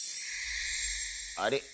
あれ？